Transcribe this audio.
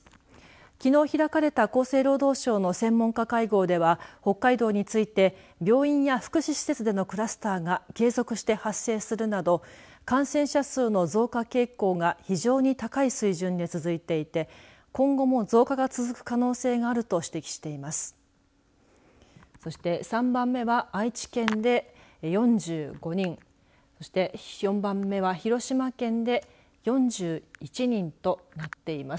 きのう開かれた厚生労働省の専門家会合では北海道について病院や福祉施設でのクラスターが継続して発生するなど感染者数の増加傾向が非常に高い水準で続いていて今後も増加が続く可能性があると指摘しています。